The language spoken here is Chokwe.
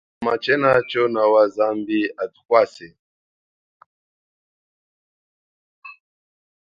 Mama, chenacho nawa, zambi athukwase.